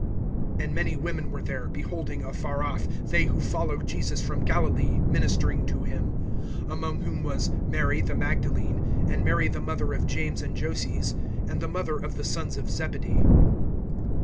(55)And many women were there, beholding afar off, they who followed Jesus from Galilee, ministering to him; (56)among whom was Mary the Magdalene, and Mary the mother of James and Joses, and the mother of the sons of Zebedee.